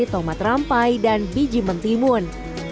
tomat rampai dan biji mentimun